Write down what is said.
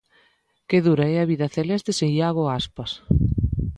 Que dura é a vida celeste sen Iago Aspas.